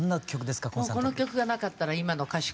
この曲がなかったら今の歌手